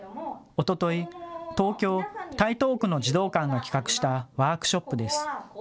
おととい、東京台東区の児童館が企画したワークショップです。